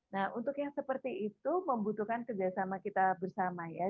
nah untuk yang seperti itu membutuhkan kerjasama kita bersama ya